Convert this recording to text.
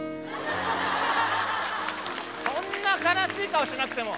そんな悲しい顔しなくても。